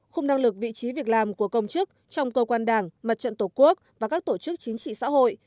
khung năng lực vị trí việc làm của công chức trong cơ quan đảng mặt trận tổ quốc và các tổ chức chính trị xã hội